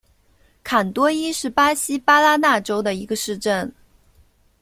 坎多伊是巴西巴拉那州的一个市镇。